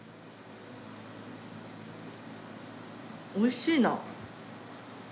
おいしいな。